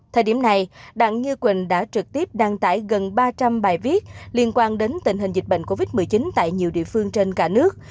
thời điểm này đặng như quỳnh đã trực tiếp đăng tải gần ba trăm linh bài viết liên quan đến tình hình dịch bệnh covid một mươi chín tại nhiều địa phương trên cả nước